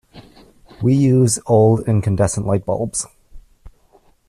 We use old incandescent light bulbs.